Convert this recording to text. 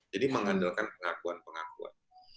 jadi mengandalkan pengakuan pengakuan